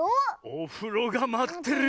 「おふろがまってるよ」。